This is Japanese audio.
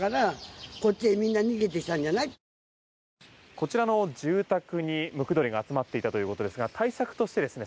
こちらの住宅にムクドリが集まっていたということですが対策としてですね